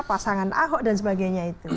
pasangan ahok dan sebagainya itu